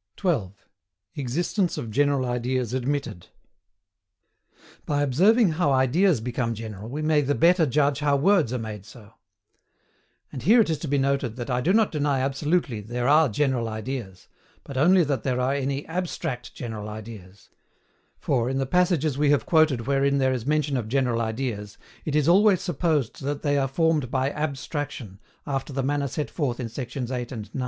] 12. EXISTENCE OF GENERAL IDEAS ADMITTED. By observing how ideas become general we may the better judge how words are made so. And here it is to be noted that I do not deny absolutely there are general ideas, but only that there are any ABSTRACT GENERAL IDEAS; for, in the passages we have quoted wherein there is mention of general ideas, it is always supposed that they are formed by ABSTRACTION, after the manner set forth in sections 8 and 9.